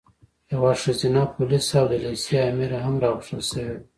یوه ښځینه پولیسه او د لېسې امره هم راغوښتل شوې وه.